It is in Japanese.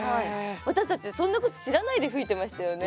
私たちそんなこと知らないで吹いてましたよね。